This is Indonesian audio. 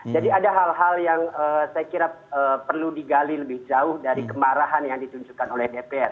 jadi ada hal hal yang saya kira perlu digali lebih jauh dari kemarahan yang ditunjukkan oleh dpr